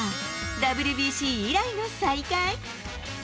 ＷＢＣ以来の再会。